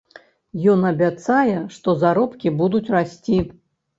Ён абяцае, што заробкі будуць расці.